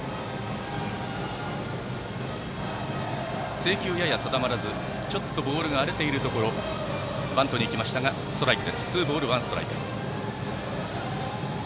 制球がやや定まらずちょっとボールが荒れているところバントに行きましたがストライク。